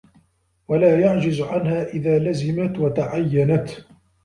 وَلَا يَعْجِزُ عَنْهَا إذَا لَزِمَتْ وَتَعَيَّنَتْ